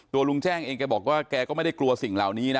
ลุงแจ้งเองแกบอกว่าแกก็ไม่ได้กลัวสิ่งเหล่านี้นะ